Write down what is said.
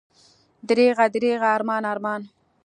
دریغه، دریغه، ارمان، ارمان!